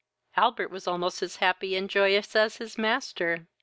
Albert was almost as happy and joyous as his master.